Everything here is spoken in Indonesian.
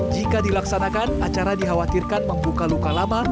jika dilaksanakan acara dikhawatirkan membuka luka lama